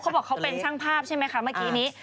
เขาบอกเขาเป็นช่างภาพใช่ไหมคะเมื่อกี้นี้